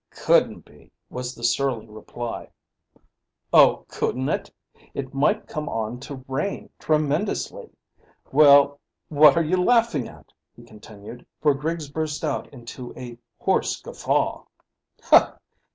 "Couldn't be," was the surly reply. "Oh, couldn't it! It might come on to rain tremendously. Well, what are you laughing at?" he continued, for Griggs burst out into a hoarse guffaw.